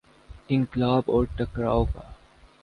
انقلاب اور ٹکراؤ کا۔